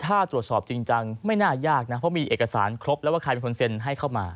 ถ้าตรวจสอบจริงจังไม่น่ายากนะเพราะมีเอกสารครบแล้วว่าใครเป็นคนเซ็นให้เข้ามา